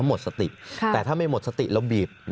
สามารถรู้ได้เลยเหรอคะ